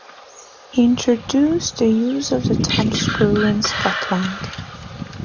He introduced the use of the thumbscrew in Scotland.